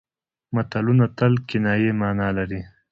متلونه تل کنايي مانا لري